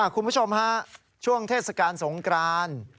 คุณผู้ชมฮะช่วงเทศกาลสงกราน